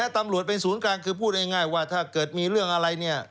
ตำรวจเป็นศูนย์กลางคือพูดง่ายว่าถ้าเกิดมีเรื่องอะไรเนี่ย